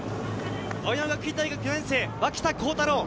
青山学院大学４年生・脇田幸太朗。